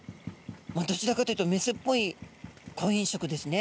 どちらかというとメスっぽい婚姻色ですね。